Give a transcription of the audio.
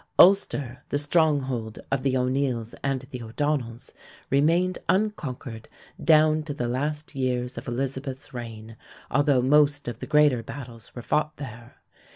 Ulster, the stronghold of the O'Neills and the O'Donnells, remained unconquered down to the last years of Elizabeth's reign, although most of the greater battles were fought there.